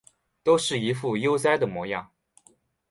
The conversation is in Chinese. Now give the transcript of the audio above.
都是一副悠哉的模样